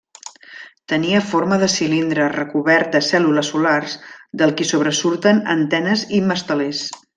Tenia forma de cilindre recobert de cèl·lules solars del qui sobresurten antenes i mastelers.